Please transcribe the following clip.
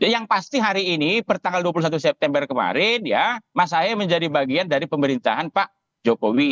yang pasti hari ini pertanggal dua puluh satu september kemarin ya mas ahy menjadi bagian dari pemerintahan pak jokowi